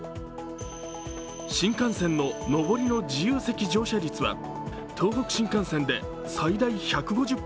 新幹線上りの自由席乗車率は東北新幹線で最大１５０％